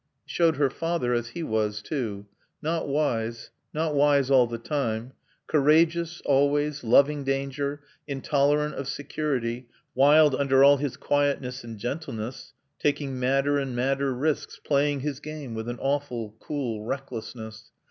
It showed her father as he was, too. Not wise. Not wise all the time. Courageous, always, loving danger, intolerant of security, wild under all his quietness and gentleness, taking madder and madder risks, playing his game with an awful, cool recklessness.